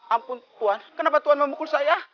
ampun tuhan kenapa tuhan memukul saya